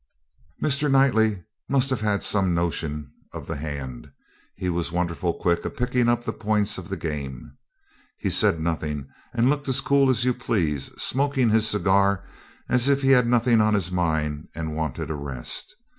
Mr. Knightley must have had some sort of notion of the hand; he was wonderful quick at picking up the points of the game. He said nothing, and looked as cool as you please, smoking his cigar as if he had nothing on his mind and wanted a rest.